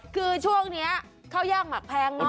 คือช่วงนี้ข้าวย่างหมักแพงเนาะ